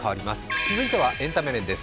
続いてはエンタメ情報です。